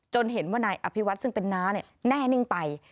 เห็นว่านายอภิวัตซึ่งเป็นน้าแน่นิ่งไป